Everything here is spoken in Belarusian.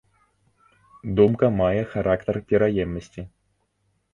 Думка мае характар пераемнасці.